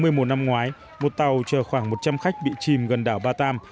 một năm ngoái một tàu chờ khoảng một trăm linh khách bị chìm gần đảo ba tam